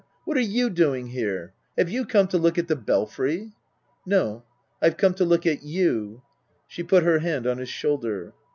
What are you doing here ? Have you come to look at the Belfry ?"" No. I've come to look at you /" She put her hand on his shoulder.